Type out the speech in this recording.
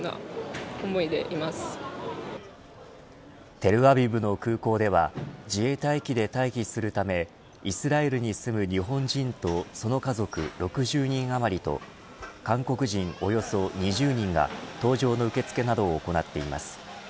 テルアビブの空港では自衛隊機で退避するためイスラエルに住む日本人とその家族６０人あまりと韓国人およそ２０人が搭乗の受け付けなどを行っています。